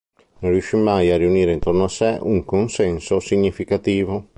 Non riuscì mai a riunire intorno a sé un consenso significativo.